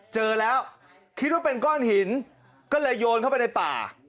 เจอแล้วคิดว่าเป็นก้อนหินก็เลยโยนเข้าไปในป่า